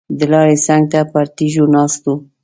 د لارې څنګ ته پر تیږو ناست وو.